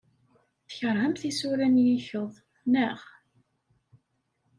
Tkeṛhemt isura n yikkeḍ, naɣ?